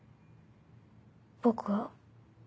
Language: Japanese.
僕は。